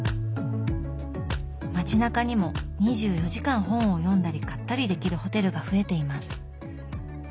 街なかにも２４時間本を読んだり買ったりできるホテルが増えています。